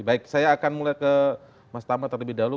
baik saya akan mulai ke mas tama terlebih dahulu